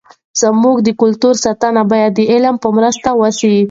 زموږ د کلتور ساتنه به د علم په مرسته وسي.